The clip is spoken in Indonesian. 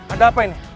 ada apa ini